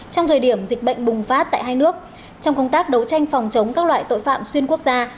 trong thời điểm dịch bệnh bùng phát tại hai nước trong công tác đấu tranh phòng chống các loại tội phạm xuyên quốc gia